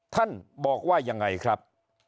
ท่านบอกว่ายังไงครับ